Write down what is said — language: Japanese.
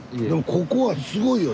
ここはすごいよ。